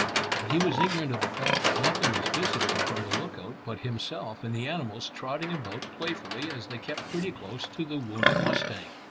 But he was ignorant of the fact that nothing was visible from the lookout but himself and the animals trotting about playfully as they kept pretty close to the wounded mustang.